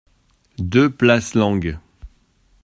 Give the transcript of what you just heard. deux place Lange